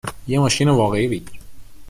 ! یه ماشین واقعی بگیر